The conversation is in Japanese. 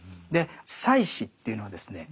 祭司というのはですね